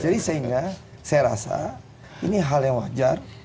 jadi sehingga saya rasa ini hal yang wajar